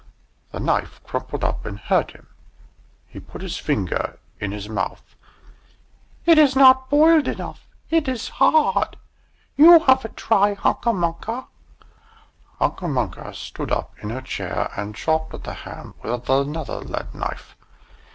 The knife crumpled up and hurt him; he put his finger in his mouth. "It is not boiled enough; it is hard. You have a try, Hunca Munca." Hunca Munca stood up in her chair, and chopped at the ham with another lead knife.